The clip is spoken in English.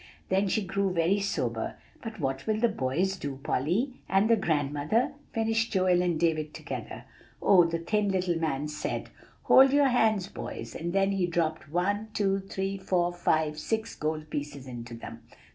Then she grew very sober. "But what will the boys do, Polly?" "And the grandmother?" finished Joel and David together. "Oh! the little thin man said, 'Hold your hands, boys;' and then he dropped one two three four five six gold pieces into them."